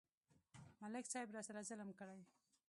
ملک صاحب راسره ظلم کړی.